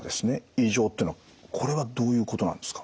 異常っていうのはこれはどういうことなんですか？